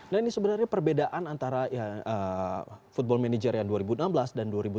nah ini sebenarnya perbedaan antara football manager yang dua ribu enam belas dan dua ribu delapan belas